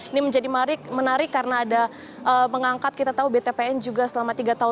ini menjadi menarik karena ada mengangkat kita tahu btpn juga selama tiga tahun